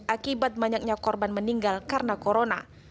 akibat banyaknya korban meninggal karena corona